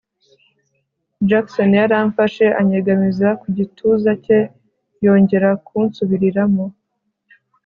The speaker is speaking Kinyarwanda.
Jackson yaramfashe anyegamiza mu gituza cye yongera kunsubiriramo